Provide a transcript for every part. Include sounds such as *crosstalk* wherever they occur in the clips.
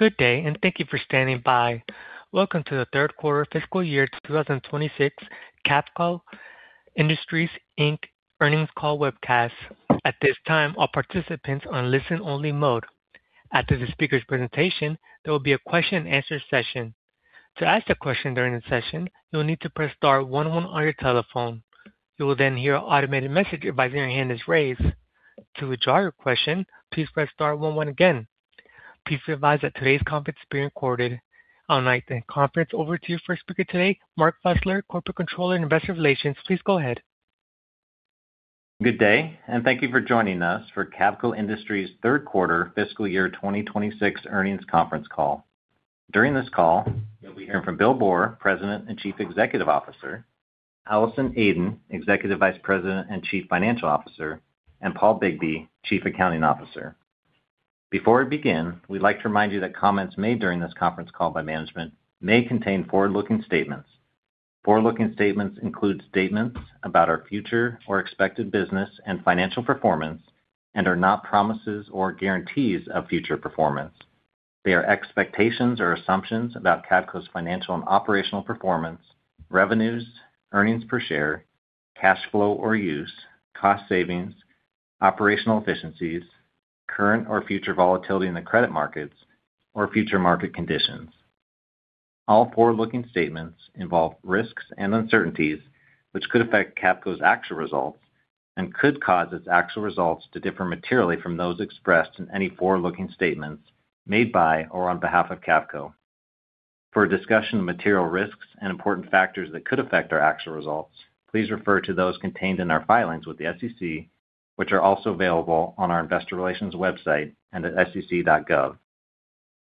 Good day, and thank you for standing by. Welcome to the Third Quarter Fiscal Year 2026 Cavco Industries, Inc. Earnings Call Webcast. At this time, all participants are on listen-only mode. After the speaker's presentation, there will be a question-and-answer session. To ask a question during the session, you'll need to press star one one on your telephone. You will then hear an automated message advising your hand is raised. To withdraw your question, please press star one one again. Please be advised that today's conference is being recorded. I'll now turn the conference over to your first speaker today, Mark Fusler, Corporate Controller and Investor Relations. Please go ahead. Good day, and thank you for joining us for Cavco Industries' Third Quarter Fiscal Year 2026 Earnings Conference Call. During this call, you'll be hearing from Bill Boor, President and Chief Executive Officer, Allison Aden, Executive Vice President and Chief Financial Officer, and Paul Bigbee, Chief Accounting Officer. Before we begin, we'd like to remind you that comments made during this conference call by management may contain forward-looking statements. Forward-looking statements include statements about our future or expected business and financial performance and are not promises or guarantees of future performance. They are expectations or assumptions about Cavco's financial and operational performance, revenues, earnings per share, cash flow or use, cost savings, operational efficiencies, current or future volatility in the credit markets, or future market conditions. All forward-looking statements involve risks and uncertainties, which could affect Cavco's actual results and could cause its actual results to differ materially from those expressed in any forward-looking statements made by or on behalf of Cavco. For a discussion of material risks and important factors that could affect our actual results, please refer to those contained in our filings with the SEC, which are also available on our investor relations website and at sec.gov.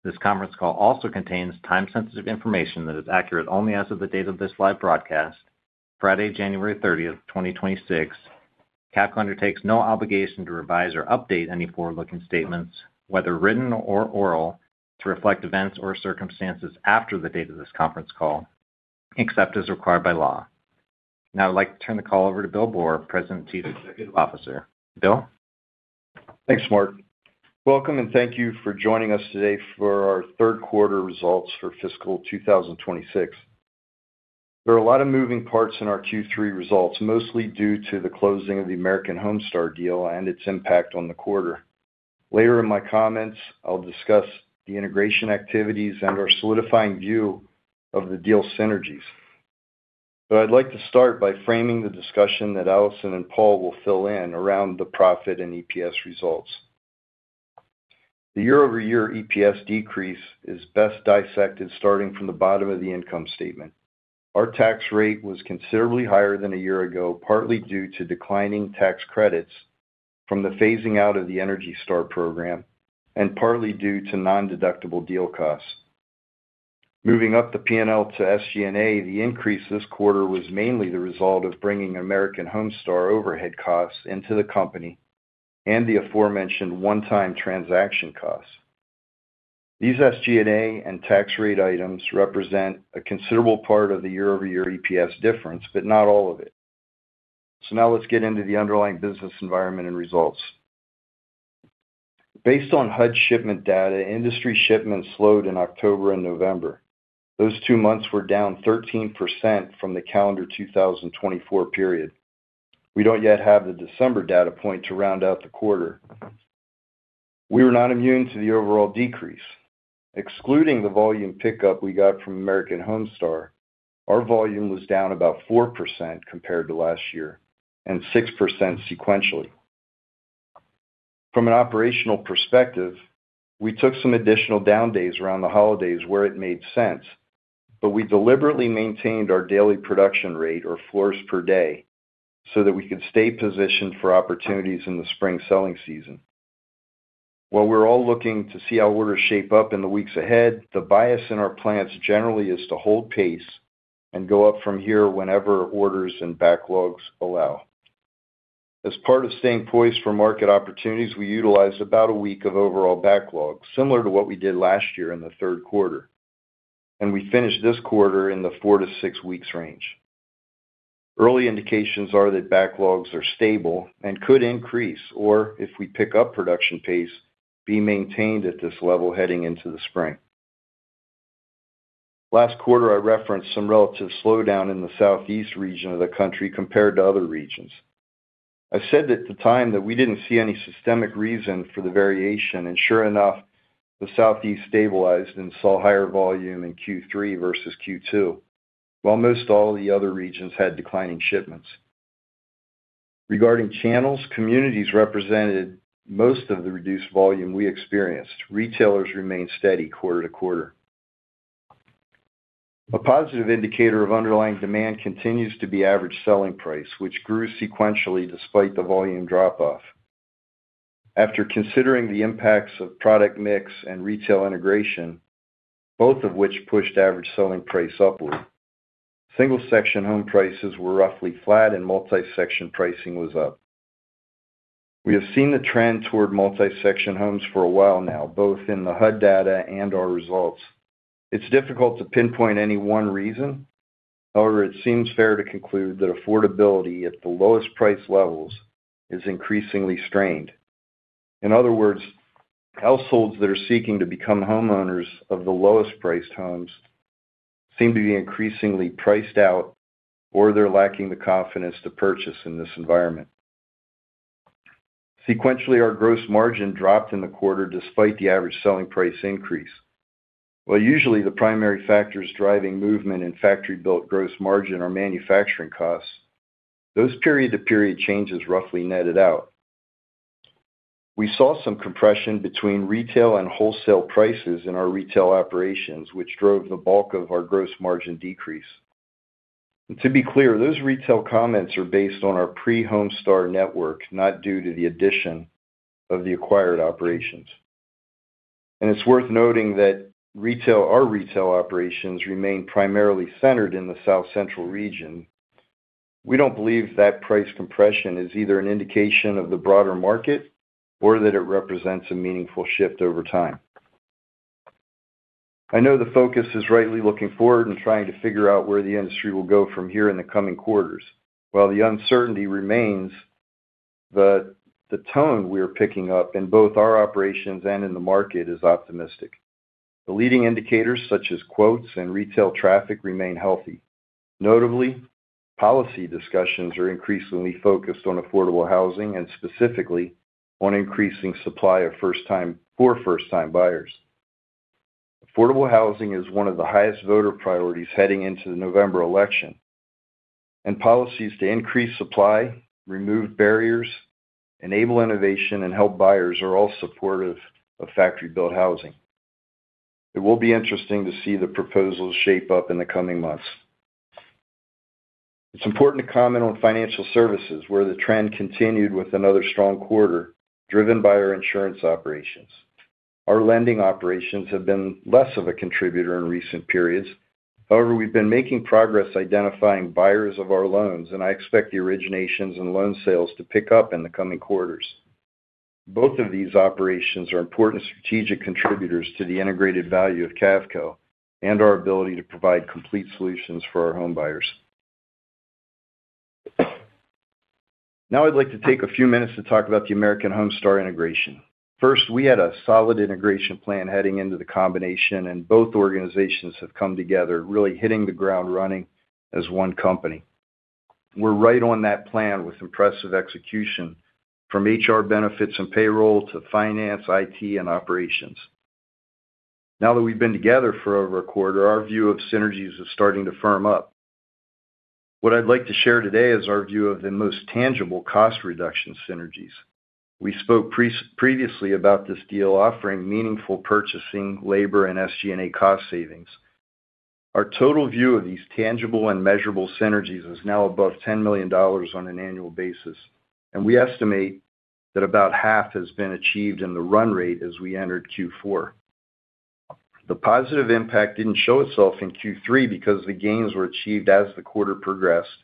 This conference call also contains time-sensitive information that is accurate only as of the date of this live broadcast, Friday, January thirtieth, twenty twenty-six. Cavco undertakes no obligation to revise or update any forward-looking statements, whether written or oral, to reflect events or circumstances after the date of this conference call, except as required by law. Now I'd like to turn the call over to Bill Boor, President and Chief Executive Officer. Bill? Thanks, Mark. Welcome and thank you for joining us today for our third quarter results for fiscal 2026. There are a lot of moving parts in our Q3 results, mostly due to the closing of the American Homestar deal and its impact on the quarter. Later in my comments, I'll discuss the integration activities and our solidifying view of the deal synergies. But I'd like to start by framing the discussion that Allison and Paul will fill in around the profit and EPS results. The year-over-year EPS decrease is best dissected starting from the bottom of the income statement. Our tax rate was considerably higher than a year ago, partly due to declining tax credits from the phasing out of the ENERGY STAR program and partly due to nondeductible deal costs. Moving up the P&L to SG&A, the increase this quarter was mainly the result of bringing American Homestar overhead costs into the company and the aforementioned one-time transaction costs. These SG&A and tax rate items represent a considerable part of the year-over-year EPS difference, but not all of it. So now let's get into the underlying business environment and results. Based on HUD shipment data, industry shipments slowed in October and November. Those two months were down 13% from the calendar 2024 period. We don't yet have the December data point to round out the quarter. We were not immune to the overall decrease. Excluding the volume pickup we got from American Homestar, our volume was down about 4% compared to last year and 6% sequentially. From an operational perspective, we took some additional down days around the holidays where it made sense, but we deliberately maintained our daily production rate or floors per day so that we could stay positioned for opportunities in the spring selling season. While we're all looking to see how orders shape up in the weeks ahead, the bias in our plants generally is to hold pace and go up from here whenever orders and backlogs allow. As part of staying poised for market opportunities, we utilize about a week of overall backlogs, similar to what we did last year in the third quarter, and we finished this quarter in the 4-6 weeks range. Early indications are that backlogs are stable and could increase, or if we pick up production pace, be maintained at this level heading into the spring. Last quarter, I referenced some relative slowdown in the Southeast region of the country compared to other regions. I said at the time that we didn't see any systemic reason for the variation, and sure enough, the Southeast stabilized and saw higher volume in Q3 versus Q2, while most all the other regions had declining shipments. Regarding channels, communities represented most of the reduced volume we experienced. Retailers remained steady quarter-to-quarter. A positive indicator of underlying demand continues to be average selling price, which grew sequentially despite the volume drop-off. After considering the impacts of product mix and retail integration, both of which pushed average selling price upward, single-section home prices were roughly flat and multi-section pricing was up. We have seen the trend toward multi-section homes for a while now, both in the HUD data and our results. It's difficult to pinpoint any one reason. However, it seems fair to conclude that affordability at the lowest price levels is increasingly strained. In other words, households that are seeking to become homeowners of the lowest-priced homes seem to be increasingly priced out, or they're lacking the confidence to purchase in this environment. Sequentially, our gross margin dropped in the quarter despite the average selling price increase. While usually the primary factors driving movement in factory-built gross margin are manufacturing costs, those period-to-period changes roughly netted out. We saw some compression between retail and wholesale prices in our retail operations, which drove the bulk of our gross margin decrease. To be clear, those retail comments are based on our pre-Homestar network, not due to the addition of the acquired operations. It's worth noting that retail, our retail operations remain primarily centered in the South Central region. We don't believe that price compression is either an indication of the broader market or that it represents a meaningful shift over time. I know the focus is rightly looking forward and trying to figure out where the industry will go from here in the coming quarters. While the uncertainty remains, the tone we are picking up in both our operations and in the market is optimistic. The leading indicators, such as quotes and retail traffic, remain healthy. Notably, policy discussions are increasingly focused on affordable housing and specifically on increasing supply for first-time buyers. Affordable housing is one of the highest voter priorities heading into the November election, and policies to increase supply, remove barriers, enable innovation, and help buyers are all supportive of factory-built housing. It will be interesting to see the proposals shape up in the coming months. It's important to comment on financial services, where the trend continued with another strong quarter, driven by our insurance operations. Our lending operations have been less of a contributor in recent periods. However, we've been making progress identifying buyers of our loans, and I expect the originations and loan sales to pick up in the coming quarters. Both of these operations are important strategic contributors to the integrated value of Cavco and our ability to provide complete solutions for our home buyers. Now I'd like to take a few minutes to talk about the American Homestar integration. First, we had a solid integration plan heading into the combination, and both organizations have come together, really hitting the ground running as one company. We're right on that plan with impressive execution, from HR benefits and payroll to finance, IT, and operations. Now that we've been together for over a quarter, our view of synergies is starting to firm up. What I'd like to share today is our view of the most tangible cost reduction synergies. We spoke previously about this deal offering meaningful purchasing, labor, and SG&A cost savings. Our total view of these tangible and measurable synergies is now above $10 million on an annual basis, and we estimate that about half has been achieved in the run rate as we entered Q4. The positive impact didn't show itself in Q3 because the gains were achieved as the quarter progressed,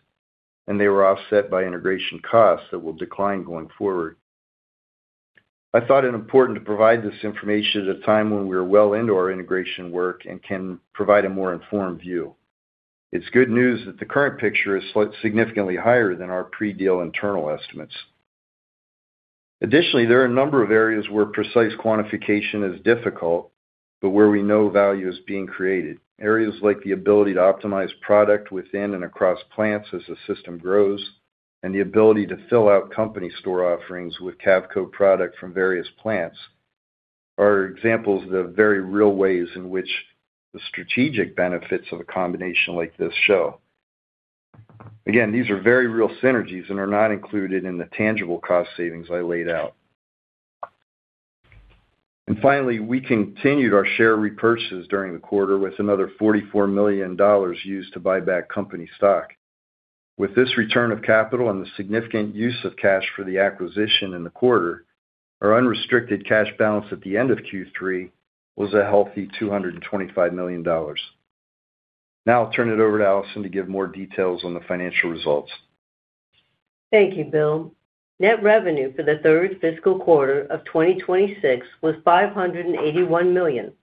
and they were offset by integration costs that will decline going forward. I thought it important to provide this information at a time when we are well into our integration work and can provide a more informed view. It's good news that the current picture is significantly higher than our pre-deal internal estimates. Additionally, there are a number of areas where precise quantification is difficult, but where we know value is being created. Areas like the ability to optimize product within and across plants as the system grows, and the ability to fill out company store offerings with Cavco product from various plants, are examples of the very real ways in which the strategic benefits of a combination like this show. Again, these are very real synergies and are not included in the tangible cost savings I laid out. And finally, we continued our share repurchases during the quarter with another $44 million used to buy back company stock. With this return of capital and the significant use of cash for the acquisition in the quarter, our unrestricted cash balance at the end of Q3 was a healthy $225 million. Now I'll turn it over to Allison to give more details on the financial results. Thank you, Bill. Net revenue for the third fiscal quarter of 2026 was $581 million,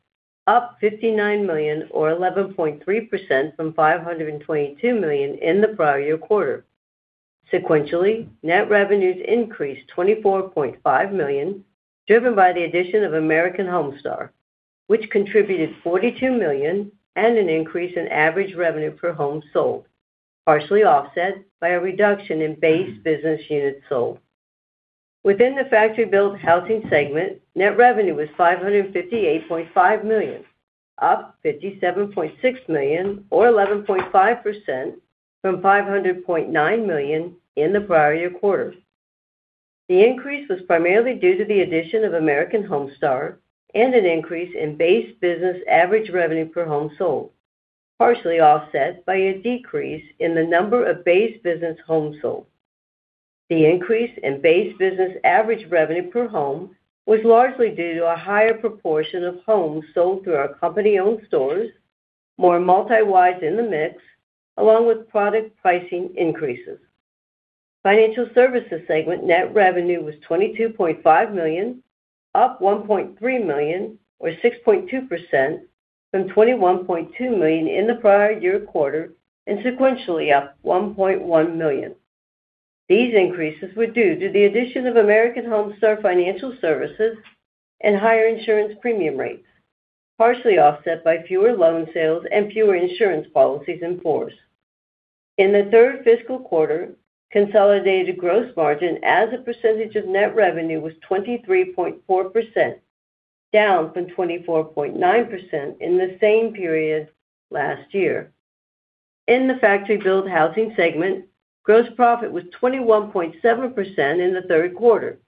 up $59 million or 11.3% from $522 million in the prior year quarter. Sequentially, net revenues increased $24.5 million, driven by the addition of American Homestar, which contributed $42 million and an increase in average revenue per home sold, partially offset by a reduction in base business units sold. Within the factory-built housing segment, net revenue was $558.5 million, up $57.6 million or 11.5% from $500.9 million in the prior year quarter. The increase was primarily due to the addition of American Homestar and an increase in base business average revenue per home sold, partially offset by a decrease in the number of base business homes sold. The increase in base business average revenue per home was largely due to a higher proportion of homes sold through our company-owned stores, more multi-wides in the mix, along with product pricing increases. Financial services segment net revenue was $22.5 million, up $1.3 million, or 6.2%, from $21.2 million in the prior year quarter, and sequentially up $1.1 million. These increases were due to the addition of American Homestar Financial Services and higher insurance premium rates, partially offset by fewer loan sales and fewer insurance policies in force. In the third fiscal quarter, consolidated gross margin as a percentage of net revenue was 23.4%, down from 24.9% in the same period last year. In the factory-built housing segment, gross profit was 21.7% in the third quarter,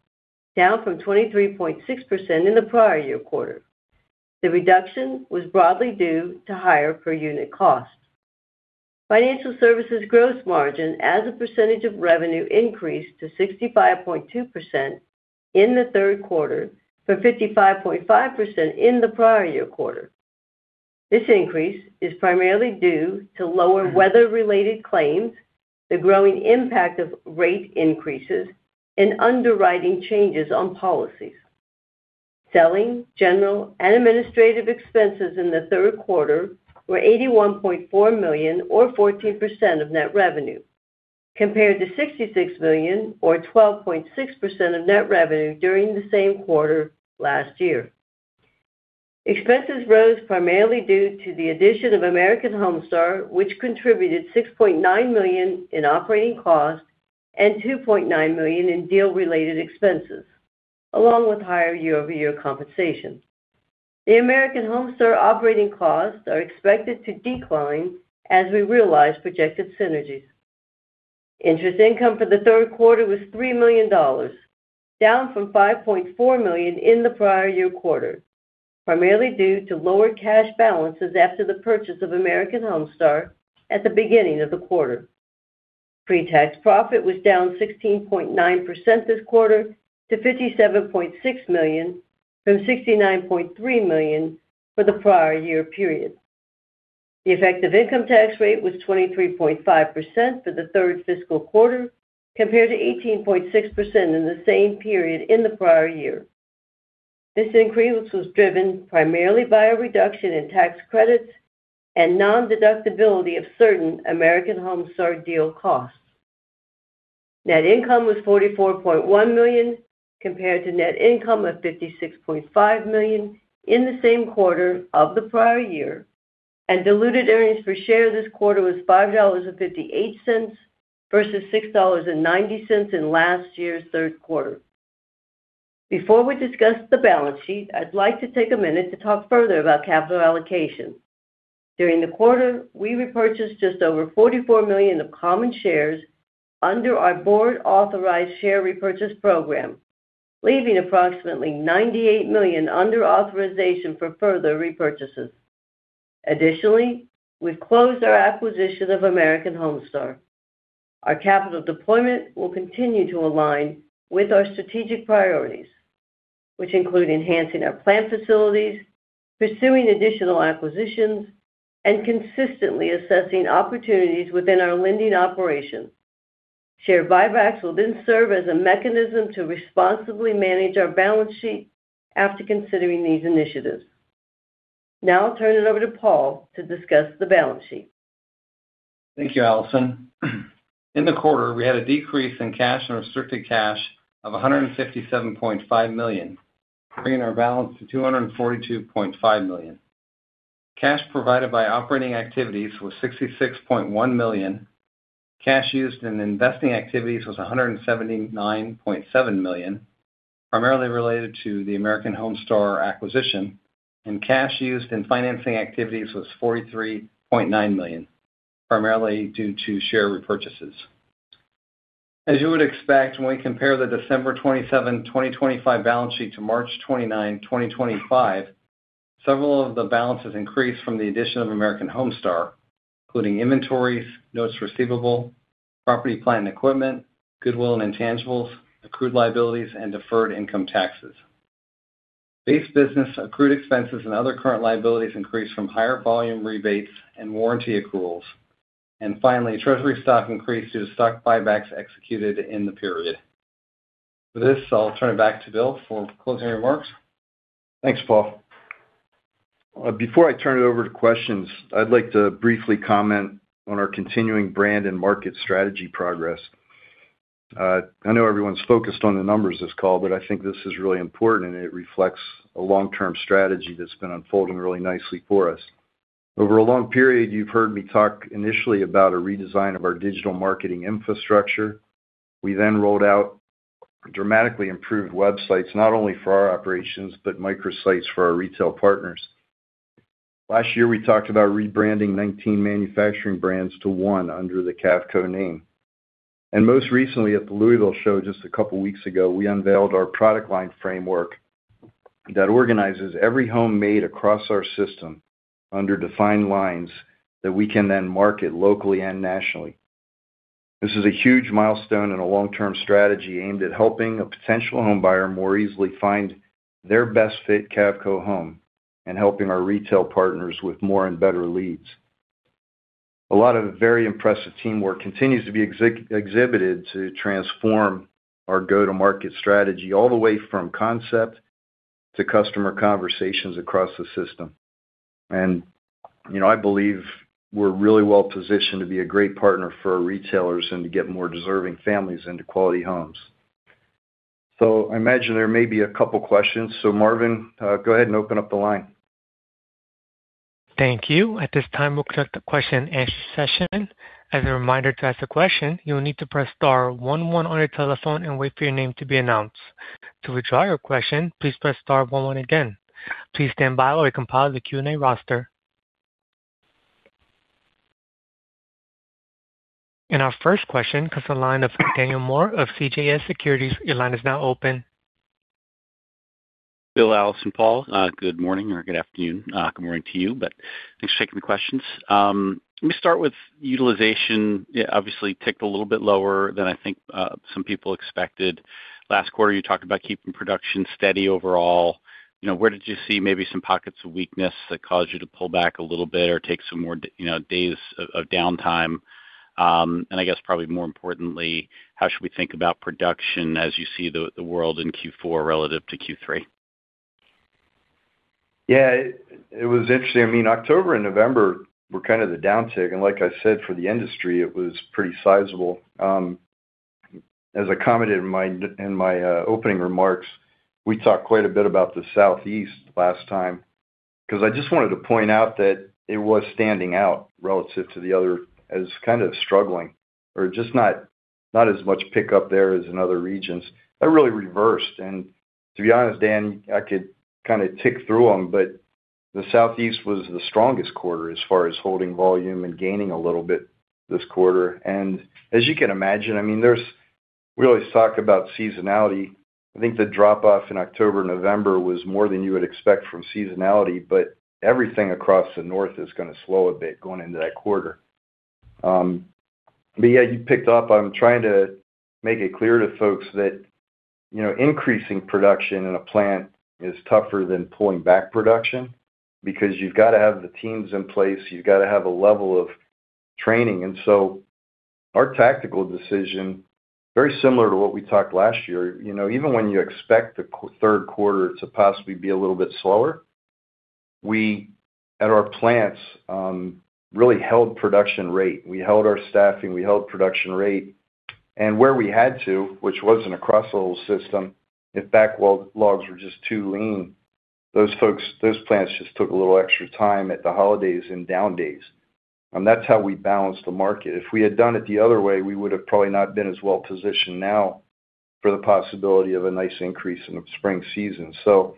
down from 23.6% in the prior year quarter. The reduction was broadly due to higher per unit cost. Financial services gross margin as a percentage of revenue increased to 65.2% in the third quarter, from 55.5% in the prior year quarter. This increase is primarily due to lower weather-related claims, the growing impact of rate increases, and underwriting changes on policies. Selling, general, and administrative expenses in the third quarter were $81.4 million, or 14% of net revenue, compared to $66 million, or 12.6% of net revenue during the same quarter last year. Expenses rose primarily due to the addition of American Homestar, which contributed $6.9 million in operating costs and $2.9 million in deal-related expenses, along with higher year-over-year compensation. The American Homestar operating costs are expected to decline as we realize projected synergies. Interest income for the third quarter was $3 million, down from $5.4 million in the prior year quarter, primarily due to lower cash balances after the purchase of American Homestar at the beginning of the quarter. Pre-tax profit was down 16.9% this quarter to $57.6 million from $69.3 million for the prior year period. The effective income tax rate was 23.5% for the third fiscal quarter, compared to 18.6% in the same period in the prior year. This increase was driven primarily by a reduction in tax credits and nondeductibility of certain American Homestar deal costs. Net income was $44.1 million, compared to net income of $56.5 million in the same quarter of the prior year, and diluted earnings per share this quarter was $5.58 versus $6.90 in last year's third quarter. Before we discuss the balance sheet, I'd like to take a minute to talk further about capital allocation. During the quarter, we repurchased just over $44 million of common shares under our board-authorized share repurchase program, leaving approximately $98 million under authorization for further repurchases. Additionally, we've closed our acquisition of American Homestar. Our capital deployment will continue to align with our strategic priorities, which include enhancing our plant facilities, pursuing additional acquisitions, and consistently assessing opportunities within our lending operations. Share buybacks will then serve as a mechanism to responsibly manage our balance sheet after considering these initiatives. Now I'll turn it over to Paul to discuss the balance sheet. Thank you, Allison. In the quarter, we had a decrease in cash and restricted cash of $157.5 million, bringing our balance to $242.5 million. Cash provided by operating activities was $66.1 million. Cash used in investing activities was $179.7 million, primarily related to the American Homestar acquisition, and cash used in financing activities was $43.9 million, primarily due to share repurchases. As you would expect, when we compare the December 27, 2025 balance sheet to March 29, 2025, several of the balances increased from the addition of American Homestar, including inventories, notes receivable, property, plant, and equipment, goodwill and intangibles, accrued liabilities, and deferred income taxes. Base business, accrued expenses, and other current liabilities increased from higher volume rebates and warranty accruals. Finally, treasury stock increased due to stock buybacks executed in the period. For this, I'll turn it back to Bill for closing remarks. Thanks, Paul. Before I turn it over to questions, I'd like to briefly comment on our continuing brand and market strategy progress. I know everyone's focused on the numbers of this call, but I think this is really important, and it reflects a long-term strategy that's been unfolding really nicely for us. Over a long period, you've heard me talk initially about a redesign of our digital marketing infrastructure. We then rolled out dramatically improved websites, not only for our operations, but microsites for our retail partners. Last year, we talked about rebranding 19 manufacturing brands to one under the Cavco name. Most recently, at the Louisville Show, just a couple of weeks ago, we unveiled our product line framework that organizes every home made across our system under defined lines that we can then market locally and nationally. This is a huge milestone and a long-term strategy aimed at helping a potential homebuyer more easily find their best fit Cavco home... and helping our retail partners with more and better leads. A lot of very impressive teamwork continues to be exhibited to transform our go-to-market strategy, all the way from concept to customer conversations across the system. And, you know, I believe we're really well-positioned to be a great partner for our retailers and to get more deserving families into quality homes. So I imagine there may be a couple questions. So Marvin, go ahead and open up the line. Thank you. At this time, we'll conduct the question and answer session. As a reminder, to ask a question, you will need to press star one one on your telephone and wait for your name to be announced. To withdraw your question, please press star one one again. Please stand by while we compile the Q&A roster. Our first question comes from the line of Daniel Moore of CJS Securities. Your line is now open. Bill, Allison, and Paul, good morning or good afternoon. Good morning to you, but thanks for taking the questions. Let me start with utilization. It obviously ticked a little bit lower than I think some people expected. Last quarter, you talked about keeping production steady overall. You know, where did you see maybe some pockets of weakness that caused you to pull back a little bit or take some more days of downtime? And I guess probably more importantly, how should we think about production as you see the world in Q4 relative to Q3? Yeah, it was interesting. I mean, October and November were kind of the downtick, and like I said, for the industry, it was pretty sizable. As I commented in my opening remarks, we talked quite a bit about the Southeast last time, 'cause I just wanted to point out that it was standing out relative to the other as kind of struggling or just not, not as much pickup there as in other regions. That really reversed, and to be honest, Dan, I could kinda tick through them, but the Southeast was the strongest quarter as far as holding volume and gaining a little bit this quarter. As you can imagine, I mean, there's, we always talk about seasonality. I think the drop-off in October, November was more than you would expect from seasonality, but everything across the North is gonna slow a bit going into that quarter. But yeah, you picked up. I'm trying to make it clear to folks that, you know, increasing production in a plant is tougher than pulling back production because you've got to have the teams in place, you've got to have a level of training. And so our tactical decision, very similar to what we talked last year, you know, even when you expect the third quarter to possibly be a little bit slower, we, at our plants, really held production rate. We held our staffing, we held production rate. And where we had to, which wasn't across the whole system, if backlogs were just too lean, those folks, those plants just took a little extra time at the holidays and down days. That's how we balance the market. If we had done it the other way, we would have probably not been as well-positioned now for the possibility of a nice increase in the spring season. You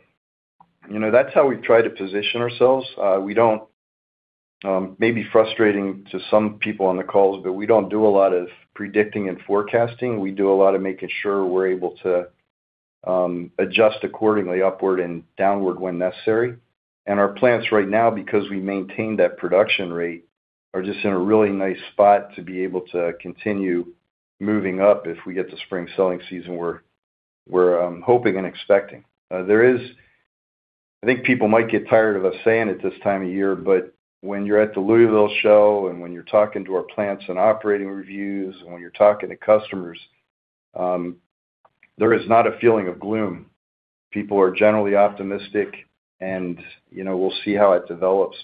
know, that's how we've tried to position ourselves. It may be frustrating to some people on the calls, but we don't do a lot of predicting and forecasting. We do a lot of making sure we're able to adjust accordingly, upward and downward, when necessary. Our plants right now, because we maintain that production rate, are just in a really nice spot to be able to continue moving up if we get the spring selling season we're hoping and expecting. I think people might get tired of us saying it this time of year, but when you're at the Louisville Show and when you're talking to our plants and operating reviews and when you're talking to customers, there is not a feeling of gloom. People are generally optimistic, and, you know, we'll see how it develops.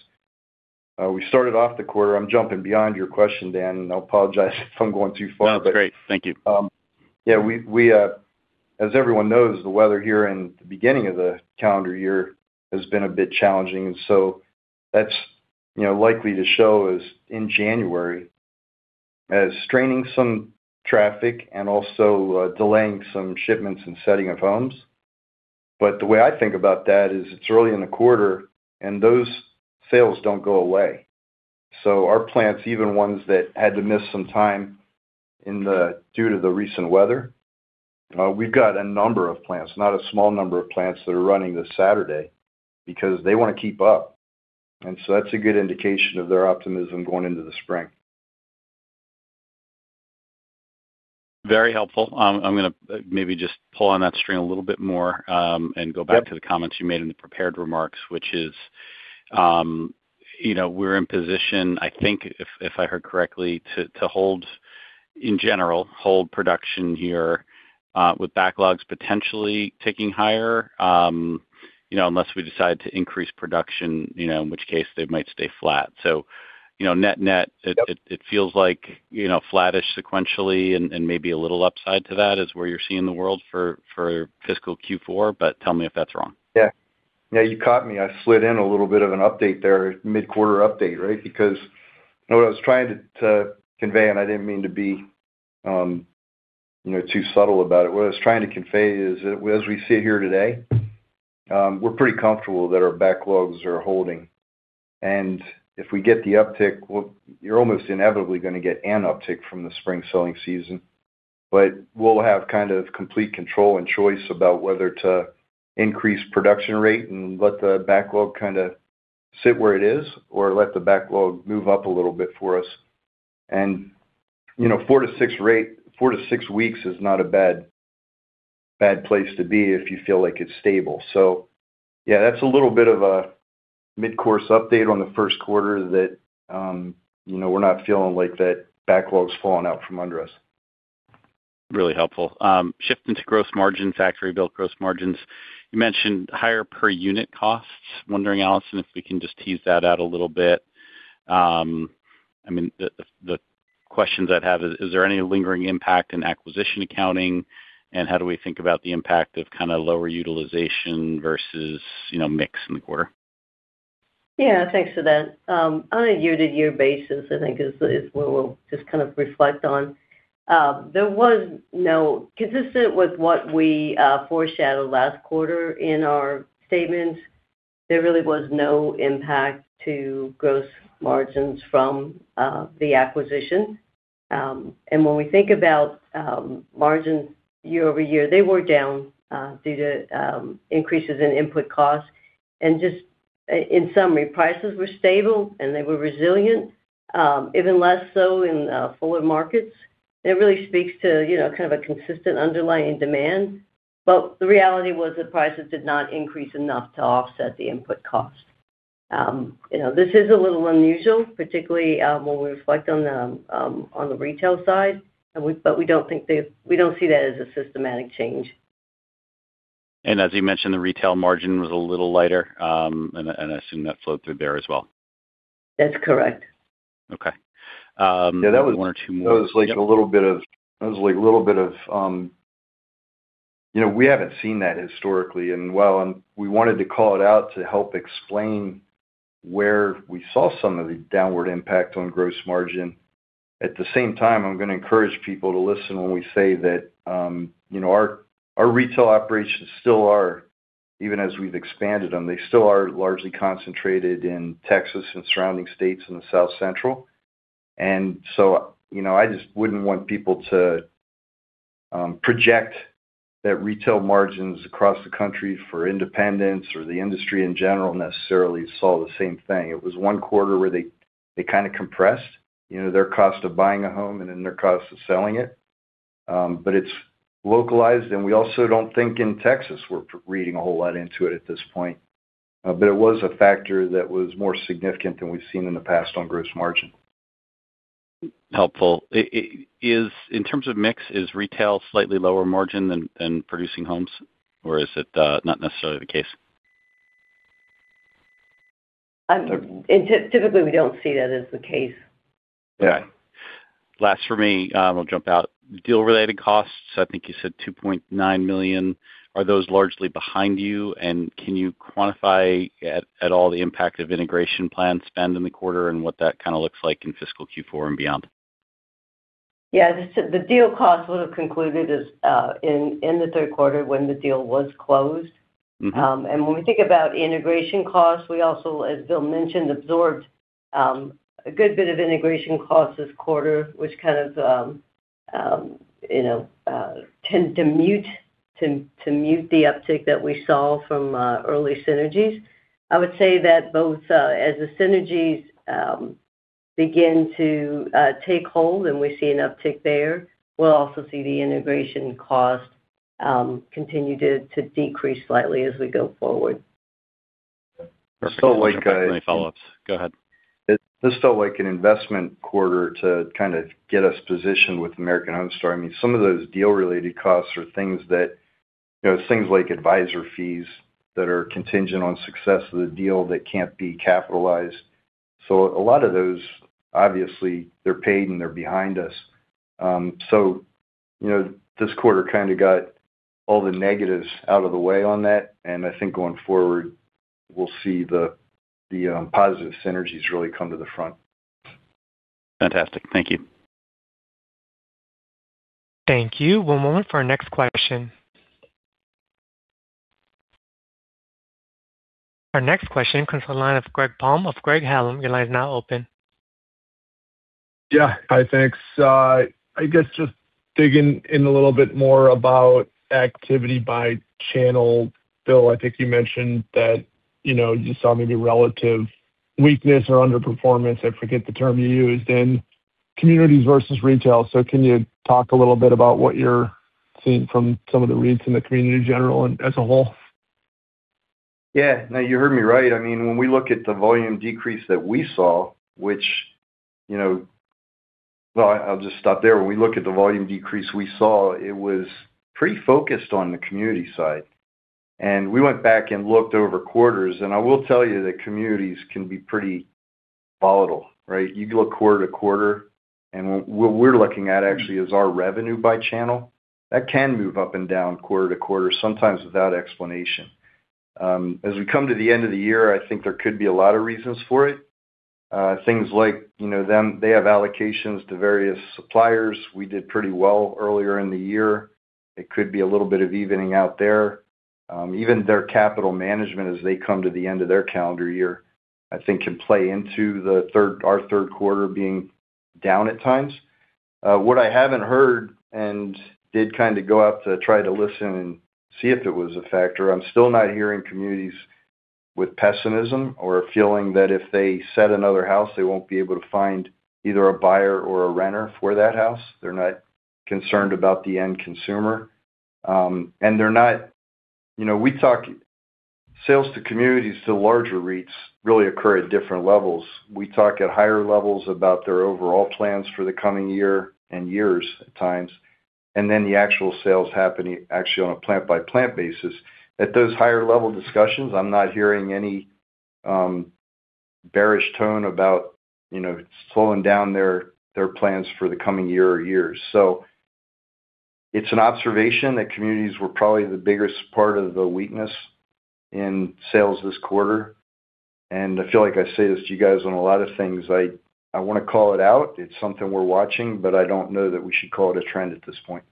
We started off the quarter... I'm jumping beyond your question, Dan, and I apologize if I'm going too far. No, it's great. Thank you. Yeah, as everyone knows, the weather here in the beginning of the calendar year has been a bit challenging, and so that's, you know, likely to show up in January as straining some traffic and also delaying some shipments and setting of homes. But the way I think about that is it's early in the quarter, and those sales don't go away. So our plants, even ones that had to miss some time due to the recent weather, we've got a number of plants, not a small number of plants, that are running this Saturday because they wanna keep up. And so that's a good indication of their optimism going into the spring. Very helpful. I'm gonna maybe just pull on that string a little bit more, and go back to the comments you made in the prepared remarks, which is, you know, we're in position, I think, if I heard correctly, to hold production here, in general, with backlogs potentially ticking higher, you know, unless we decide to increase production, you know, in which case they might stay flat. So, you know, net-net it feels like, you know, flattish sequentially and maybe a little upside to that, is where you're seeing the world for fiscal Q4, but tell me if that's wrong. Yeah. Yeah, you caught me. I slid in a little bit of an update there, mid-quarter update, right? Because what I was trying to convey, and I didn't mean to be, you know, too subtle about it. What I was trying to convey is, as we sit here today, we're pretty comfortable that our backlogs are holding. And if we get the uptick, well, you're almost inevitably gonna get an uptick from the spring selling season. But we'll have kind of complete control and choice about whether to increase production rate and let the backlog kind of sit where it is, or let the backlog move up a little bit for us. And, you know, 4-6 weeks is not a bad place to be if you feel like it's stable. So yeah, that's a little bit of a mid-course update on the first quarter that, you know, we're not feeling like that backlog's falling out from under us. Really helpful. Shifting to gross margin, factory-built gross margins. You mentioned higher per unit costs. Wondering, Allison, if we can just tease that out a little bit. I mean, the questions I'd have is: Is there any lingering impact in acquisition accounting? And how do we think about the impact of kinda lower utilization versus, you know, mix in the quarter? Yeah, thanks for that. On a year-to-year basis, I think is where we'll just kind of reflect on. Consistent with what we foreshadowed last quarter in our statement, there really was no impact to gross margins from the acquisition. When we think about margins year-over-year, they were down due to increases in input costs. Just in summary, prices were stable, and they were resilient, even less so in forward markets. It really speaks to, you know, kind of a consistent underlying demand. But the reality was that prices did not increase enough to offset the input cost. You know, this is a little unusual, particularly when we reflect on the retail side, but we don't see that as a systematic change. As you mentioned, the retail margin was a little lighter, and I assume that flowed through there as well. That's correct. Okay. Um- Yeah, that was- One or two more- That was like a little bit of, that was like a little bit of. You know, we haven't seen that historically and well, and we wanted to call it out to help explain where we saw some of the downward impact on gross margin. At the same time, I'm gonna encourage people to listen when we say that, you know, our, our retail operations still are, even as we've expanded them, they still are largely concentrated in Texas and surrounding states in the South Central. And so, you know, I just wouldn't want people to project that retail margins across the country for independents or the industry, in general, necessarily saw the same thing. It was one quarter where they, they kinda compressed, you know, their cost of buying a home and then their cost of selling it. It's localized, and we also don't think in Texas, we're reading a whole lot into it at this point. It was a factor that was more significant than we've seen in the past on gross margin. Helpful. Is, in terms of mix, is retail slightly lower margin than producing homes, or is it not necessarily the case? Typically, we don't see that as the case. Yeah. Last for me, we'll jump out. Deal-related costs, I think you said $2.9 million. Are those largely behind you? And can you quantify at all the impact of integration plan spend in the quarter and what that kinda looks like in fiscal Q4 and beyond? Yeah, the deal close would have concluded in the third quarter when the deal was closed. And when we think about integration costs, we also, as Bill mentioned, absorbed a good bit of integration costs this quarter, which kind of, you know, tend to mute the uptick that we saw from early synergies. I would say that both, as the synergies begin to take hold and we see an uptick there, we'll also see the integration cost continue to decrease slightly as we go forward. *crosstalk* Go ahead. This felt like an investment quarter to kinda get us positioned with American Homestar. I mean, some of those deal-related costs are things that, you know, things like advisor fees that are contingent on success of the deal that can't be capitalized. So a lot of those, obviously, they're paid and they're behind us. So, you know, this quarter kinda got all the negatives out of the way on that, and I think going forward, we'll see the positive synergies really come to the front. Fantastic. Thank you. Thank you. One moment for our next question. Our next question comes from the line of Greg Palm of Craig-Hallum. Your line is now open. Yeah. Hi, thanks. I guess just digging in a little bit more about activity by channel. Bill, I think you mentioned that, you know, you saw maybe relative weakness or underperformance, I forget the term you used, in communities versus retail. So can you talk a little bit about what you're seeing from some of the reads in the community in general and as a whole? Yeah. No, you heard me right. I mean, when we look at the volume decrease that we saw, which, you know... Well, I'll just stop there. When we look at the volume decrease we saw, it was pretty focused on the community side. And we went back and looked over quarters, and I will tell you that communities can be pretty volatile, right? You go quarter to quarter, and what we're looking at actually is our revenue by channel. That can move up and down quarter to quarter, sometimes without explanation. As we come to the end of the year, I think there could be a lot of reasons for it. Things like, you know, them, they have allocations to various suppliers. We did pretty well earlier in the year. It could be a little bit of evening out there. Even their capital management, as they come to the end of their calendar year, I think can play into the third quarter being down at times. What I haven't heard and did kinda go out to try to listen and see if it was a factor, I'm still not hearing communities with pessimism or feeling that if they set another house, they won't be able to find either a buyer or a renter for that house. They're not concerned about the end consumer. And they're not, you know, we talk sales to communities, to larger REITs, really occur at different levels. We talk at higher levels about their overall plans for the coming year and years at times, and then the actual sales happening actually on a plant-by-plant basis. At those higher level discussions, I'm not hearing any bearish tone about, you know, slowing down their, their plans for the coming year or years. So it's an observation that communities were probably the biggest part of the weakness in sales this quarter. And I feel like I say this to you guys on a lot of things. I, I wanna call it out. It's something we're watching, but I don't know that we should call it a trend at this point.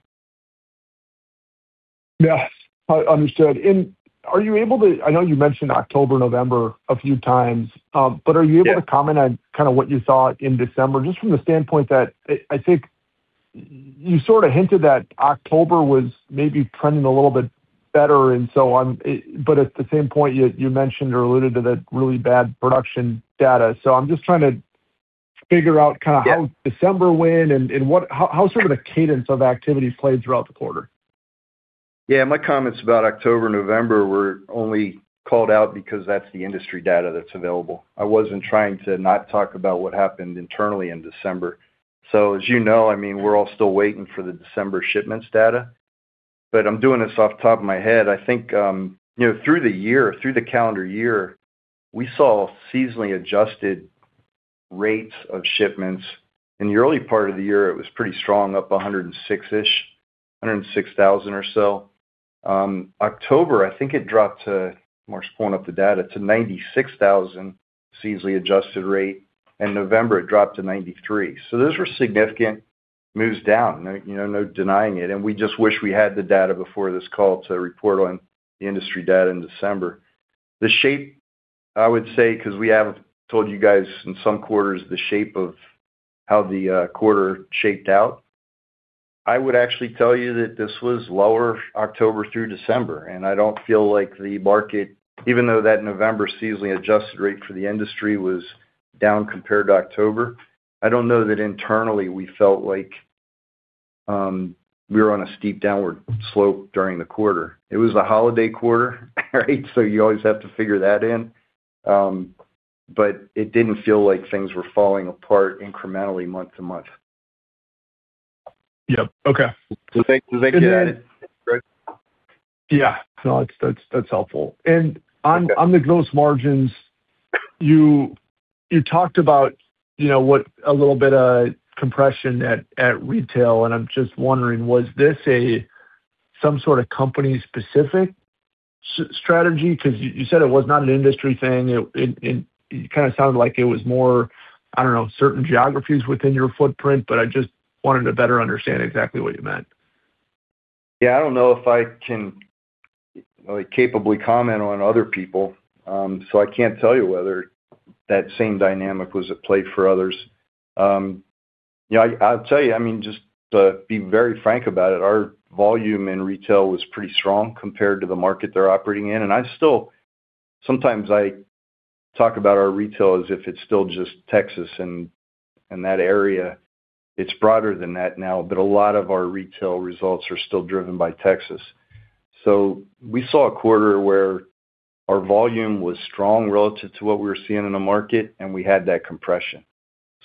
Yes, understood. And are you able to... I know you mentioned October, November a few times, but are you able to comment on kind of what you saw in December, just from the standpoint that I think you sort of hinted that October was maybe trending a little bit better and so on. But at the same point, you mentioned or alluded to the really bad production data. So I'm just trying to figure out kind of how December went and how sort of the cadence of activity played throughout the quarter? Yeah, my comments about October, November were only called out because that's the industry data that's available. I wasn't trying to not talk about what happened internally in December. So as you know, I mean, we're all still waiting for the December shipments data, but I'm doing this off the top of my head. I think, you know, through the year, through the calendar year, we saw seasonally adjusted rates of shipments. In the early part of the year, it was pretty strong, up 106-ish, 106,000 or so. October, I think it dropped to, I'm just pulling up the data, to 96,000, seasonally adjusted rate. In November, it dropped to 93,000. So those were significant moves down. You know, no denying it, and we just wish we had the data before this call to report on the industry data in December. The shape, I would say, 'cause we have told you guys in some quarters, the shape of how the quarter shaped out. I would actually tell you that this was lower October through December, and I don't feel like the market, even though that November seasonally adjusted rate for the industry was down compared to October, I don't know that internally we felt like we were on a steep downward slope during the quarter. It was a holiday quarter, right? So you always have to figure that in. But it didn't feel like things were falling apart incrementally month to month. Yep. Okay. So thank you for that, Greg. Yeah. No, that's helpful. And on the gross margins, you talked about, you know, what a little bit of compression at retail, and I'm just wondering, was this some sort of company-specific strategy? 'Cause you said it was not an industry thing. It kind of sounded like it was more, I don't know, certain geographies within your footprint, but I just wanted to better understand exactly what you meant. Yeah, I don't know if I can, like, capably comment on other people, so I can't tell you whether that same dynamic was at play for others. Yeah, I'll tell you, I mean, just to be very frank about it, our volume in retail was pretty strong compared to the market they're operating in. And I still, sometimes I talk about our retail as if it's still just Texas and that area. It's broader than that now, but a lot of our retail results are still driven by Texas. So we saw a quarter where our volume was strong relative to what we were seeing in the market, and we had that compression.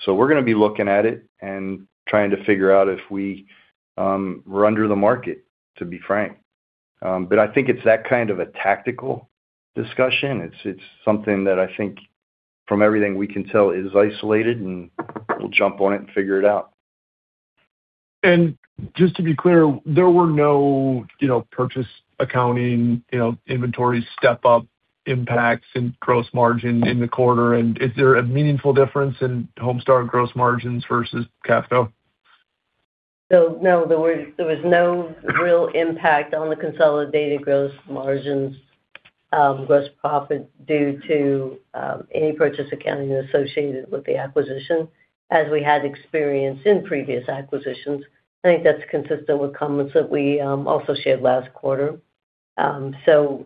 So we're gonna be looking at it and trying to figure out if we, we're under the market, to be frank. But I think it's that kind of a tactical discussion. It's something that I think from everything we can tell, is isolated, and we'll jump on it and figure it out. Just to be clear, there were no, you know, purchase accounting, you know, inventory step-up impacts in gross margin in the quarter. Is there a meaningful difference in Homestar gross margins versus Cavco? So no, there was no real impact on the consolidated gross margins, gross profit, due to any purchase accounting associated with the acquisition, as we had experienced in previous acquisitions. I think that's consistent with comments that we also shared last quarter. So,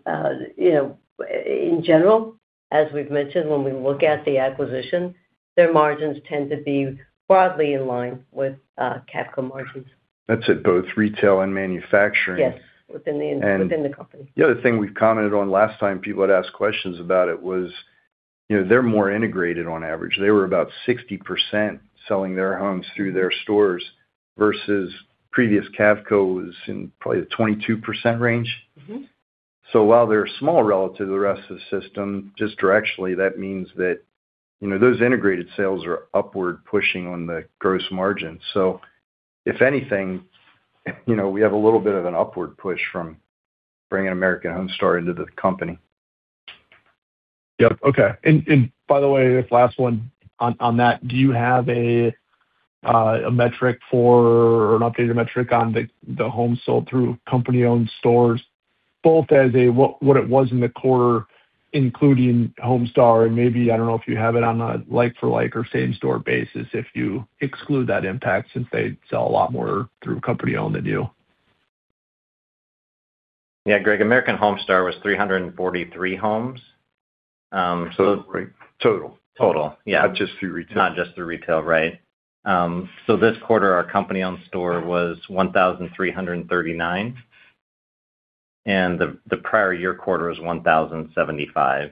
you know, in general, as we've mentioned, when we look at the acquisition, their margins tend to be broadly in line with Cavco margins. That's at both retail and manufacturing. Yes, within the- And- within the company. The other thing we've commented on last time people had asked questions about it was, you know, they're more integrated on average. They were about 60% selling their homes through their stores versus previous Cavco was in probably the 22% range. So while they're small relative to the rest of the system, just directionally, that means that, you know, those integrated sales are upward, pushing on the gross margin. So if anything, you know, we have a little bit of an upward push from bringing American Homestar into the company. Yep. Okay. And by the way, this last one on that, do you have a metric for or an updated metric on the homes sold through company-owned stores, both as what it was in the quarter, including Homestar, and maybe, I don't know if you have it on a like-for-like or same-store basis, if you exclude that impact, since they sell a lot more through company-owned than you? Yeah, Greg, American Homestar was 343 homes. Total? Total, yeah. Not just through retail. Not just through retail, right. So this quarter, our company-owned store was 1,339, and the prior year quarter was 1,075,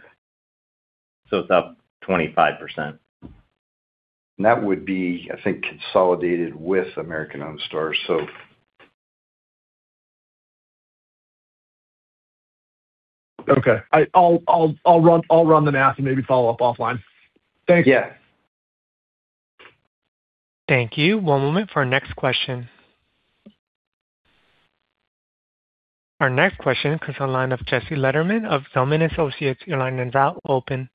so it's up 25%. That would be, I think, consolidated with company-owned stores, so... Okay. I'll run the math and maybe follow up offline. Thank you. Yeah. Thank you. One moment for our next question. Our next question comes on the line of Jesse Lederman of Zelman Associates. Your line is now open.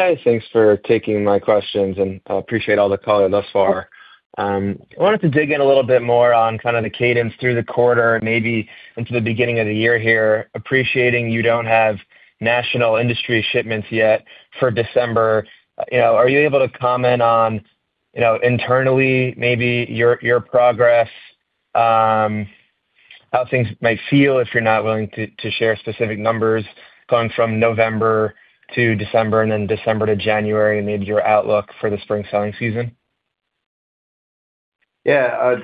Hi, thanks for taking my questions, and I appreciate all the color thus far. I wanted to dig in a little bit more on kind of the cadence through the quarter and maybe into the beginning of the year here. Appreciating you don't have national industry shipments yet for December, you know, are you able to comment on, you know, internally, maybe your progress, how things might feel if you're not willing to share specific numbers going from November to December, and then December to January, and maybe your outlook for the spring selling season? Yeah,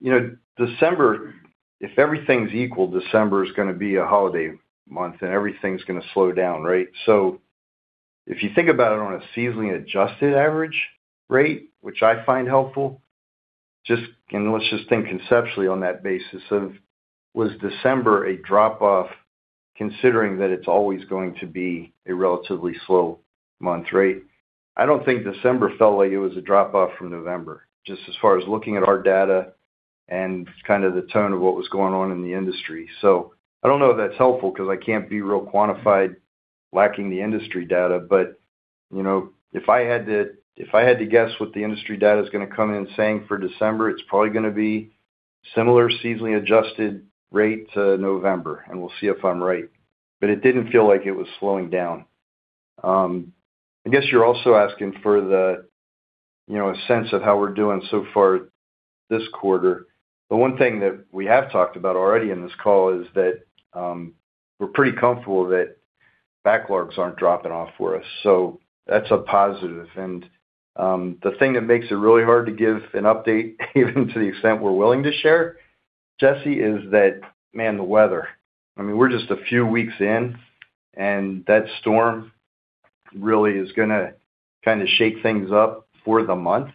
you know, December, if everything's equal, December is gonna be a holiday month, and everything's gonna slow down, right? So if you think about it on a seasonally adjusted average rate, which I find helpful, just, and let's just think conceptually on that basis of, was December a drop-off, considering that it's always going to be a relatively slow month, right? I don't think December felt like it was a drop-off from November, just as far as looking at our data and kind of the tone of what was going on in the industry. So I don't know if that's helpful because I can't be really quantified, lacking the industry data. But, you know, if I had to, if I had to guess what the industry data is gonna come in saying for December, it's probably gonna be similar seasonally adjusted rate to November, and we'll see if I'm right. But it didn't feel like it was slowing down. I guess you're also asking for the, you know, a sense of how we're doing so far this quarter. The one thing that we have talked about already in this call is that, we're pretty comfortable that backlogs aren't dropping off for us, so that's a positive. And, the thing that makes it really hard to give an update, even to the extent we're willing to share, Jesse, is that, man, the weather. I mean, we're just a few weeks in, and that storm really is gonna kinda shake things up for the month,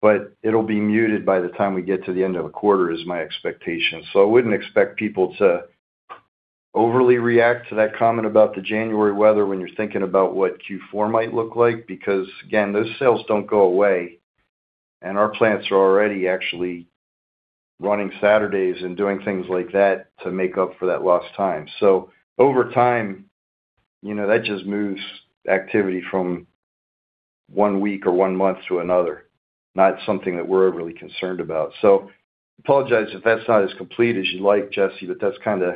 but it'll be muted by the time we get to the end of the quarter, is my expectation. So I wouldn't expect people to overly react to that comment about the January weather when you're thinking about what Q4 might look like, because again, those sales don't go away, and our plants are already actually running Saturdays and doing things like that to make up for that lost time. So over time, you know, that just moves activity from one week or one month to another, not something that we're really concerned about. So I apologize if that's not as complete as you'd like, Jesse, but that's kind of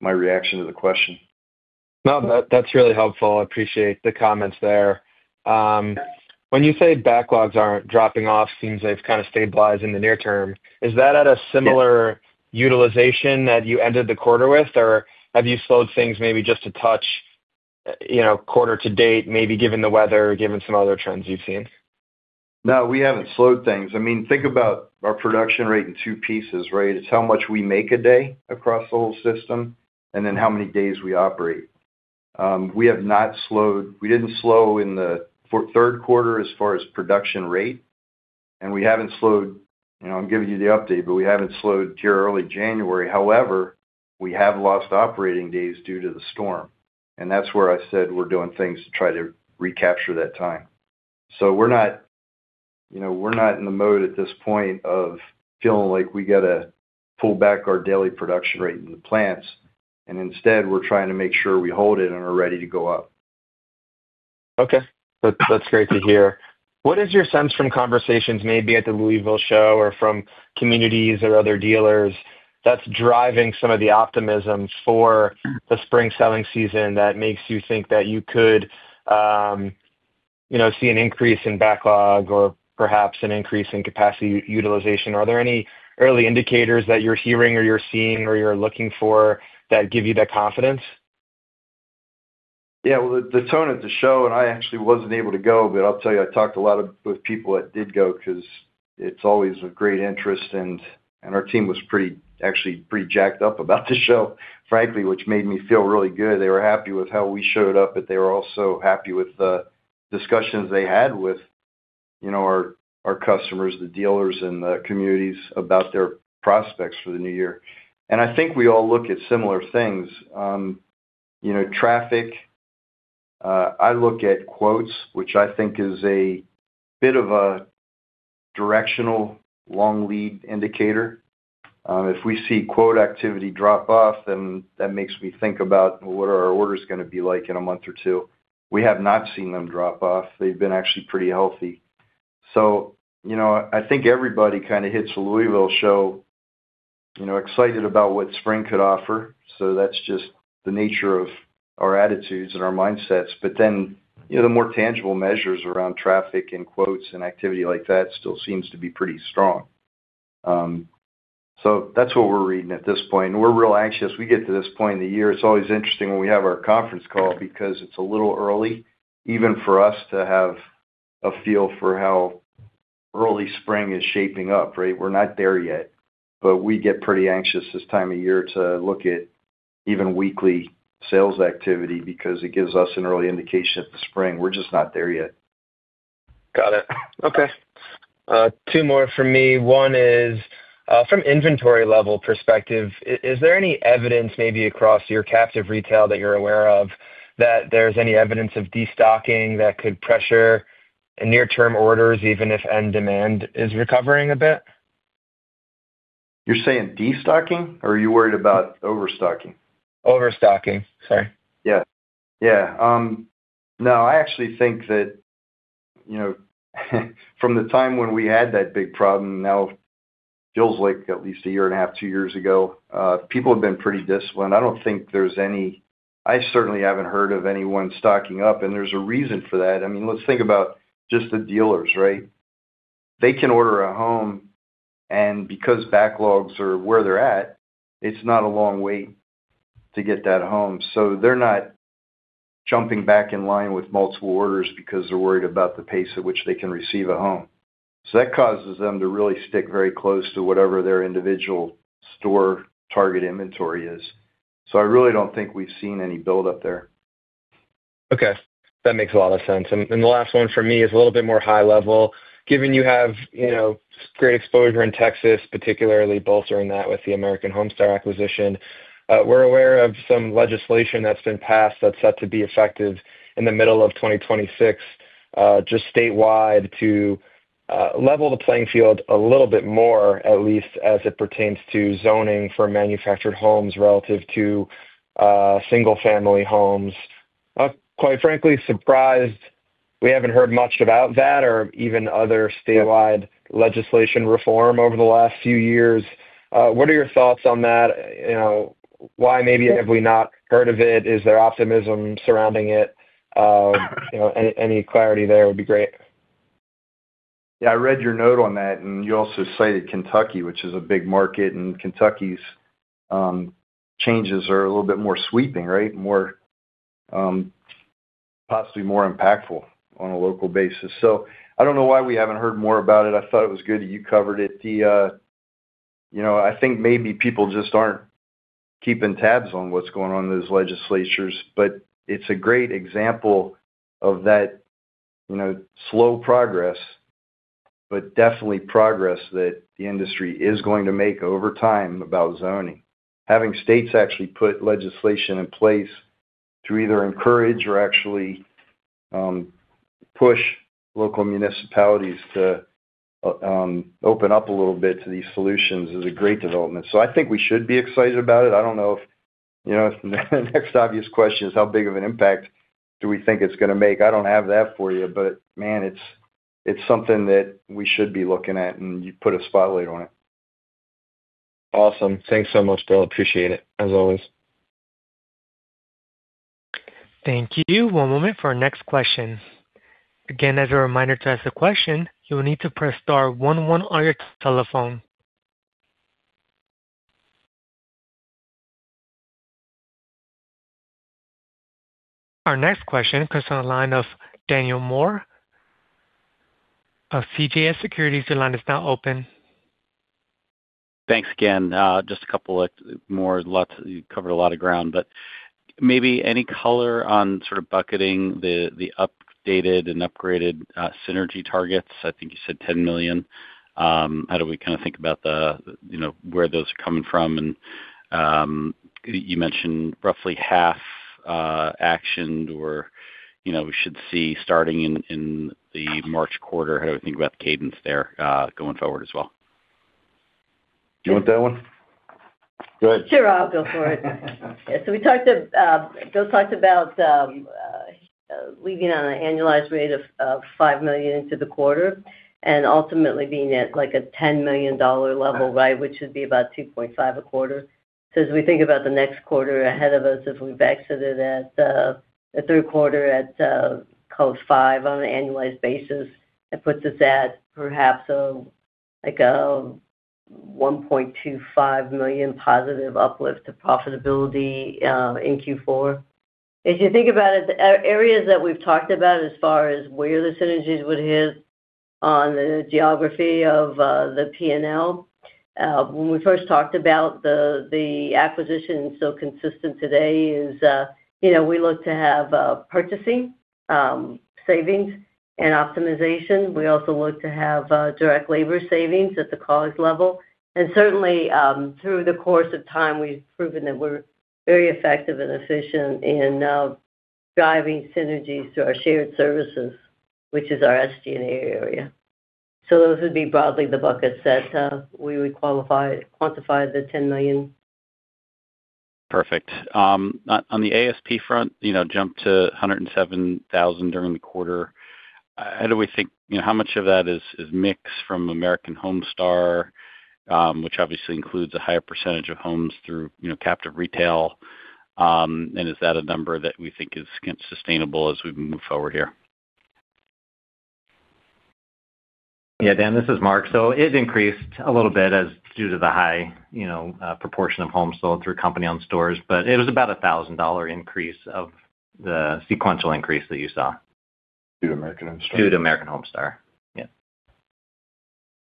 my reaction to the question. No, that's really helpful. I appreciate the comments there. When you say backlogs aren't dropping off, seems they've kind of stabilized in the near term. Is that at a similar utilization that you ended the quarter with, or have you slowed things maybe just a touch, you know, quarter to date, maybe given the weather or given some other trends you've seen? No, we haven't slowed things. I mean, think about our production rate in two pieces, right? It's how much we make a day across the whole system and then how many days we operate. We didn't slow in the fourth quarter as far as production rate, and we haven't slowed, you know, I'm giving you the update, but we haven't slowed in early January. However, we have lost operating days due to the storm, and that's where I said we're doing things to try to recapture that time. So we're not, you know, we're not in the mode at this point of feeling like we got to pull back our daily production rate in the plants, and instead, we're trying to make sure we hold it and are ready to go up. Okay. That's, that's great to hear. What is your sense from conversations, maybe at the Louisville Show or from communities or other dealers, that's driving some of the optimism for the spring selling season that makes you think that you could, you know, see an increase in backlog or perhaps an increase in capacity utilization? Are there any early indicators that you're hearing or you're seeing, or you're looking for that give you that confidence? Yeah, well, the tone of the show, and I actually wasn't able to go, but I'll tell you, I talked a lot with people that did go, 'cause it's always of great interest, and our team was pretty, actually pretty jacked up about the show, frankly, which made me feel really good. They were happy with how we showed up, but they were also happy with the discussions they had with, you know, our customers, the dealers, and the communities about their prospects for the new year. And I think we all look at similar things. You know, traffic, I look at quotes, which I think is a bit of a directional, long lead indicator. If we see quote activity drop off, then that makes me think about what are our orders gonna be like in a month or two. We have not seen them drop off. They've been actually pretty healthy. So, you know, I think everybody kind of hits the Louisville Show, you know, excited about what spring could offer. So that's just the nature of our attitudes and our mindsets. But then, you know, the more tangible measures around traffic and quotes and activity like that still seems to be pretty strong. So that's what we're reading at this point, and we're real anxious. We get to this point in the year, it's always interesting when we have our conference call because it's a little early, even for us to have a feel for how early spring is shaping up, right? We're not there yet, but we get pretty anxious this time of year to look at even weekly sales activity because it gives us an early indication of the spring. We're just not there yet. Got it. Okay. Two more from me. One is, from inventory level perspective, is there any evidence, maybe across your captive retail, that you're aware of, that there's any evidence of destocking that could pressure near-term orders, even if end demand is recovering a bit? You're saying destocking, or are you worried about overstocking? Overstocking. Sorry. Yeah. Yeah. No, I actually think that, you know, from the time when we had that big problem, now feels like at least a year and a half, 2 years ago, people have been pretty disciplined. I don't think there's any... I certainly haven't heard of anyone stocking up, and there's a reason for that. I mean, let's think about just the dealers, right? They can order a home, and because backlogs are where they're at, it's not a long wait to get that home. So they're not jumping back in line with multiple orders because they're worried about the pace at which they can receive a home. So that causes them to really stick very close to whatever their individual store target inventory is. So I really don't think we've seen any buildup there. Okay, that makes a lot of sense. And the last one for me is a little bit more high level. Given you have, you know, great exposure in Texas, particularly bolstering that with the American Homestar acquisition, we're aware of some legislation that's been passed that's set to be effective in the middle of 2026, just statewide to level the playing field a little bit more, at least as it pertains to zoning for manufactured homes relative to single-family homes. I'm, quite frankly, surprised we haven't heard much about that or even other statewide legislation reform over the last few years. What are your thoughts on that? You know, why maybe have we not heard of it? Is there optimism surrounding it? You know, any clarity there would be great. Yeah, I read your note on that, and you also cited Kentucky, which is a big market, and Kentucky's changes are a little bit more sweeping, right? More possibly more impactful on a local basis. So I don't know why we haven't heard more about it. I thought it was good that you covered it. The, you know, I think maybe people just aren't keeping tabs on what's going on in those legislatures, but it's a great example of that, you know, slow progress, but definitely progress that the industry is going to make over time about zoning. Having states actually put legislation in place to either encourage or actually push local municipalities to open up a little bit to these solutions is a great development. So I think we should be excited about it. I don't know if, you know, the next obvious question is, how big of an impact do we think it's going to make? I don't have that for you, but, man, it's something that we should be looking at, and you put a spotlight on it. Awesome. Thanks so much, Bill. Appreciate it, as always. Thank you. One moment for our next question. Again, as a reminder, to ask a question, you will need to press star one one on your telephone. Our next question comes from the line of Daniel Moore of CJS Securities. The line is now open. Thanks again. Just a couple of more lots... You covered a lot of ground, but maybe any color on sort of bucketing the updated and upgraded synergy targets? I think you said $10 million. How do we kind of think about the, you know, where those are coming from? And, you mentioned roughly half actioned or, you know, we should see starting in the March quarter. How do we think about the cadence there going forward as well? You want that one? Go ahead. Sure, I'll go for it. So we talked of Bill talked about leaving on an annualized rate of $5 million into the quarter and ultimately being at, like, a $10 million level, right, which would be about 2.5 a quarter. So as we think about the next quarter ahead of us, if we backed it at the third quarter at close to 5 on an annualized basis, it puts us at perhaps, like a $1.25 million positive uplift to profitability in Q4. If you think about it, the areas that we've talked about as far as where the synergies would hit on the geography of the P&L, when we first talked about the acquisition and so consistent today is, you know, we look to have purchasing savings and optimization. We also look to have direct labor savings at the college level. Certainly, through the course of time, we've proven that we're very effective and efficient in driving synergies through our shared services, which is our SG&A area. Those would be broadly the buckets that we would quantify the $10 million. Perfect. On the ASP front, you know, jumped to $107,000 during the quarter. How do we think, you know, how much of that is mix from American Homestar, which obviously includes a higher percentage of homes through, you know, captive retail? And is that a number that we think is sustainable as we move forward here? Yeah, Dan, this is Mark. So it increased a little bit as due to the high, you know, proportion of homes sold through company-owned stores, but it was about a $1,000 increase of the sequential increase that you saw. Due to American Homestar? Due to American Homestar. Yeah.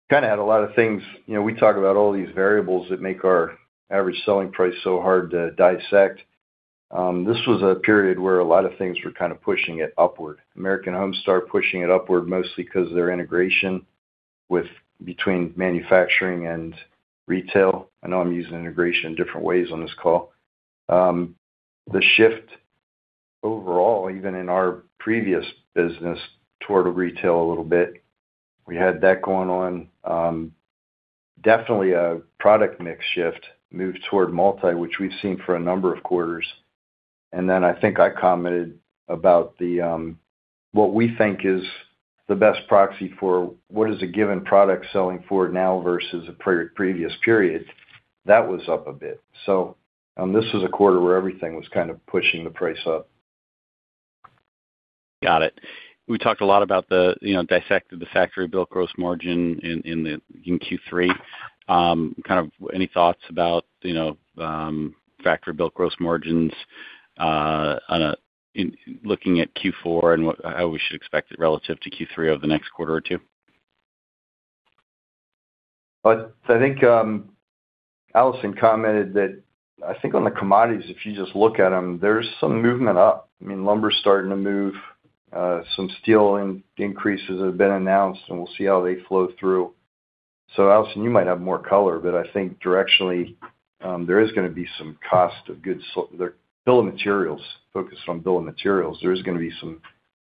Kind of had a lot of things. You know, we talk about all these variables that make our average selling price so hard to dissect. This was a period where a lot of things were kind of pushing it upward. American Homestar pushing it upward, mostly 'cause of their integration with between manufacturing and retail. I know I'm using integration in different ways on this call. The shift overall, even in our previous business, toward retail a little bit, we had that going on. Definitely a product mix shift moved toward multi, which we've seen for a number of quarters. And then I think I commented about the, what we think is the best proxy for what is a given product selling for now versus a pre-previous period. That was up a bit. This is a quarter where everything was kind of pushing the price up. Got it. We talked a lot about the, you know, dissected the factory-built gross margin in, in the, in Q3. Kind of any thoughts about, you know, factory-built gross margins, on a, in looking at Q4 and what, how we should expect it relative to Q3 over the next quarter or two? But I think, Allison commented that I think on the commodities, if you just look at them, there's some movement up. I mean, lumber's starting to move, some steel increases have been announced, and we'll see how they flow through. So, Allison, you might have more color, but I think directionally, there is gonna be some cost of goods. So the building materials, focused on building materials, there is gonna be some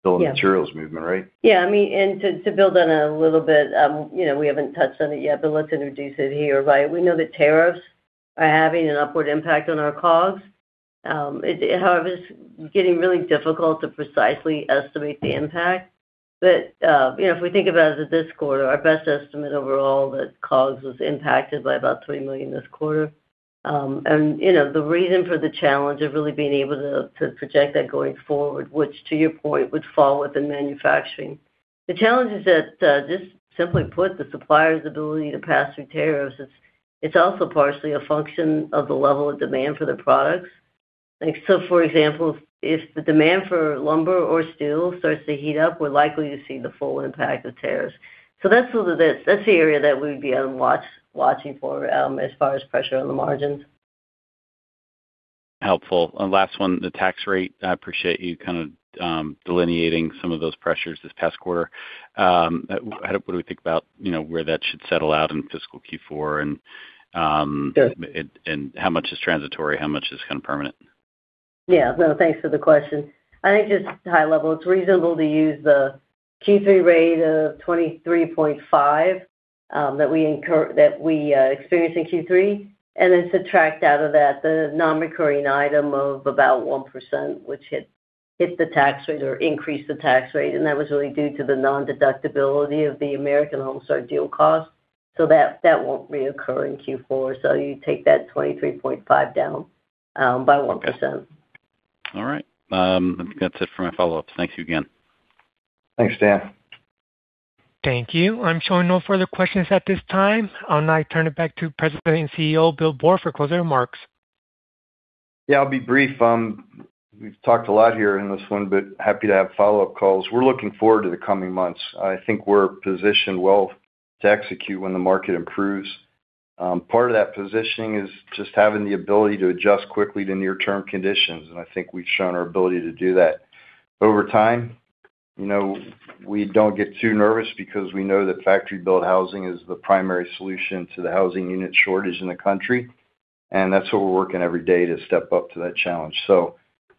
building materials movement, right? Yeah. I mean, and to build on a little bit, you know, we haven't touched on it yet, but let's introduce it here, right? We know that tariffs are having an upward impact on our costs. It, however, is getting really difficult to precisely estimate the impact. But, you know, if we think about it as this quarter, our best estimate overall, that costs was impacted by about $3 million this quarter. And, you know, the reason for the challenge of really being able to project that going forward, which, to your point, would fall within manufacturing. The challenge is that, just simply put, the supplier's ability to pass through tariffs, it's also partially a function of the level of demand for the products. So, for example, if the demand for lumber or steel starts to heat up, we're likely to see the full impact of tariffs. So that's sort of the, that's the area that we'd be on watching for, as far as pressure on the margins. Helpful. And last one, the tax rate. I appreciate you kind of delineating some of those pressures this past quarter. How, what do we think about, you know, where that should settle out in fiscal Q4 and, how much is transitory, how much is kind of permanent? Yeah. Well, thanks for the question. I think just high level, it's reasonable to use the Q3 rate of 23.5%, that we experienced in Q3, and then subtract out of that the non-recurring item of about 1%, which hit the tax rate or increased the tax rate, and that was really due to the nondeductibility of the American Homestar deal cost. So that won't reoccur in Q4. So you take that 23.5% down by 1%. All right. That's it for my follow-ups. Thank you again. Thanks, Dan. Thank you. I'm showing no further questions at this time. I'll now turn it back to President and CEO, Bill Boor, for closing remarks. Yeah, I'll be brief. We've talked a lot here in this one, but happy to have follow-up calls. We're looking forward to the coming months. I think we're positioned well to execute when the market improves. Part of that positioning is just having the ability to adjust quickly to near-term conditions, and I think we've shown our ability to do that. Over time, you know, we don't get too nervous because we know that factory-built housing is the primary solution to the housing unit shortage in the country, and that's what we're working every day to step up to that challenge. So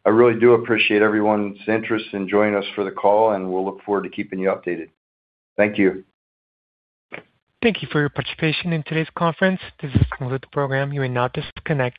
I really do appreciate everyone's interest in joining us for the call, and we'll look forward to keeping you updated. Thank you. Thank you for your participation in today's conference. This concludes the program. You may now disconnect.